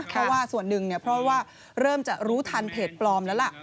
เพราะว่าส่วนหนึ่งเพราะว่าเริ่มจะรู้ทันเพจปลอมแล้วล่ะ